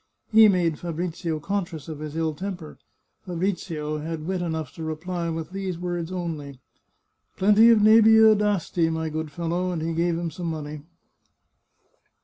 He made Fabrizio conscious of his ill temper. Fabrizio had wit enough to reply with these words only, " Plenty of nebieu d'Asti, my good fellow," and he gave him some money.